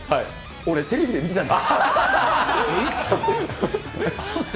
俺、テレビで見てたんだった。